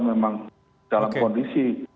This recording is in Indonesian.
memang dalam kondisi